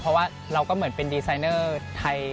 เพราะว่าเราก็เหมือนเป็นดีไซเนอร์ไทย